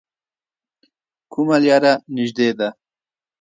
کومه لار نږدې ده؟